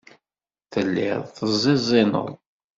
Telliḍ teẓẓiẓineḍ.